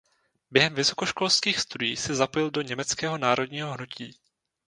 Během vysokoškolských studií se zapojil do německého národního hnutí.